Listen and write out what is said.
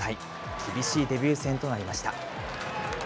厳しいデビュー戦となりました。